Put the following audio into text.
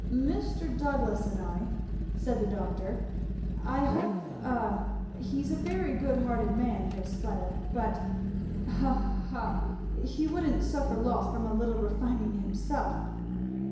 "Mr. Douglass and I," said the doctor, "I hope a he's a very good hearted man, Miss Fleda, but, ha! ha! he wouldn't suffer loss from a little refining himself.